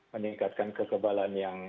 meningkatkan kekebalan yang